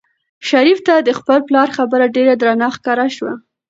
شریف ته د خپل پلار خبره ډېره درنه ښکاره شوه.